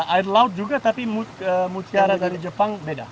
air laut juga tapi mutiara dari jepang beda